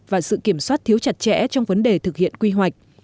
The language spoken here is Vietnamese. và sự kiểm soát thiếu chặt chẽ trong vấn đề thực hiện quy hoạch